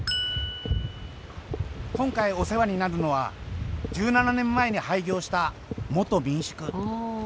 今回お世話になるのは１７年前に廃業した元民宿。